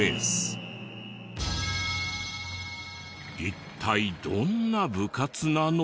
一体どんな部活なの？